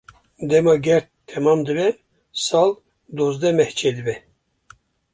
Dema ger temam dibe, sal dozdeh meh çêdibe.